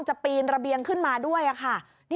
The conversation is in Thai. ปีนระเบียงขึ้นมาด้วยค่ะ